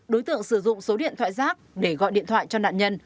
đối tượng sử dụng số điện thoại rác để gọi điện thoại cho nạn nhân